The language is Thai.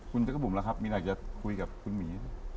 คุณเจ้ากะโบ๋มล่ะครับมีนอาจจะคุยกับคุณหมี